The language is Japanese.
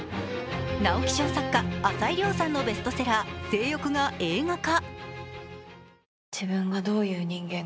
直木賞作家、朝井リョウさんのベストセラー「正欲」が映画化。